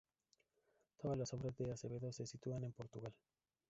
Todas las obras de Acevedo se sitúan en Portugal.